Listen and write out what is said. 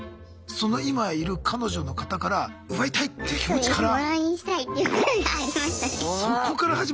その今いる彼女の方から奪いたいっていう気持ちから？